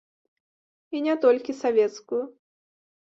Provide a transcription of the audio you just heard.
І не толькі савецкую.